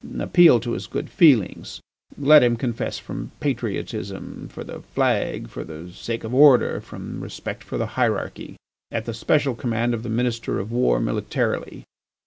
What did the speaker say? Appeal to his good feelings. Let him confess from patriotism, for the flag, for the sake of order, from respect for the hierarchy, at the special command of the Minister of War militarily.